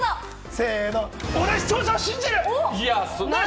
せの、俺は視聴者を信じる！